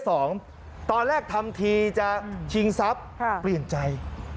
ตอนแรกทำทีจะชิงทรัพย์เปลี่ยนใจ